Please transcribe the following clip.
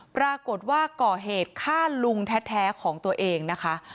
ปรากฏว่าก่อเหตุฆ่าลุงแท้ของตัวเองนะคะ